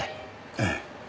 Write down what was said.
ええ。